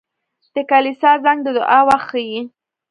• د کلیسا زنګ د دعا وخت ښيي.